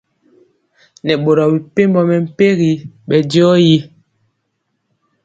Nɛ boro mepempɔ mɛmpegi bɛndiɔ ri.